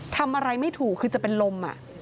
ทำอะไรไม่ถูกคือจะเป็นลม